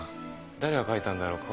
誰が描いたんだろう？